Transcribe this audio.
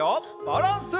バランス！